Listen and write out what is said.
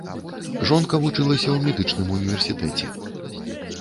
Жонка вучылася ў медычным універсітэце.